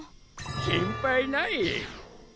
心配ない。